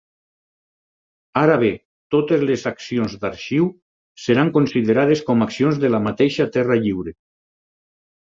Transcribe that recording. Ara bé, totes les accions d'Arxiu seran considerades com accions de la mateixa Terra Lliure.